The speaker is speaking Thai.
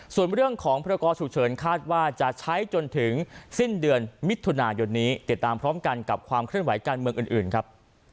ส่วนเรื่องของพรกรฉุกเฉินคาดว่าจะใช้จนถึงสิ้นเดือนมิถุนายนนี้ติดตามพร้อมกันกับความเคลื่อนไหวการเมืองอื่นครับ